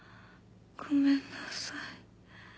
ごめんなさい。